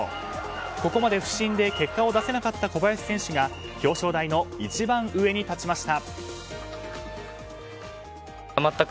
ここまで不振で結果を出せなかった小林選手が表彰台の一番上に立ちました。